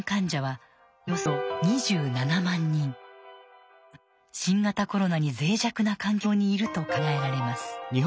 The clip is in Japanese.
多くの人が新型コロナにぜい弱な環境にいると考えられます。